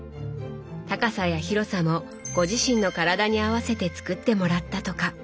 高さや広さもご自身の体に合わせて作ってもらったとか。